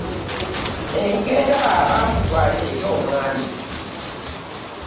Enkeera baamutwala eri omwami.